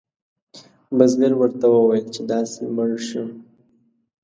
بزګر ورته وویل چې داسې مړ شو.